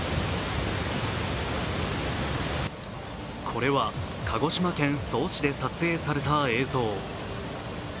これは鹿児島県曽於市で撮影された映像。